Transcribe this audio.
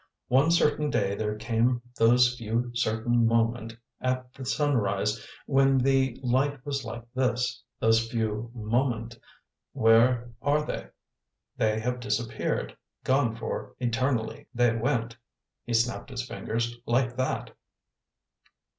One certain day there came those few certain moment' at the sunrise when the light was like this. Those few moment', where are they? They have disappeared, gone for eternally. They went" he snapped his fingers "like that.